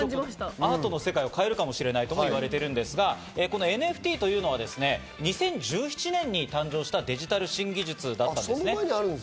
アートの世界を変えるかもしれないと言われているんですが、ＮＦＴというのは２０１７年に誕生したデジタル新技術たったんですね。